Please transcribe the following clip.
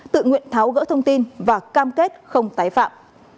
tự nguyện tháo gỡ thông tin và cam kết không tái phạm